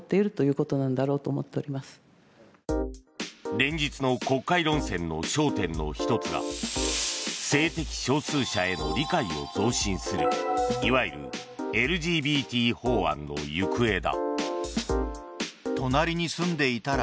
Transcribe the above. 連日の国会論戦の焦点の１つが性的少数者への理解を増進するいわゆるＬＧＢＴ法案の行方だ。